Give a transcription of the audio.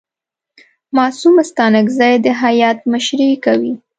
معصوم ستانکزی د هیات مشري کوي.